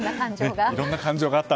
いろんな感情が。